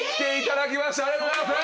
ありがとうございます！